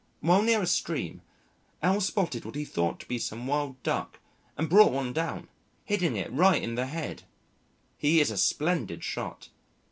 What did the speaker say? While near a stream, L spotted what he thought to be some Wild Duck and brought one down, hitting it right in the head. He is a splendid shot.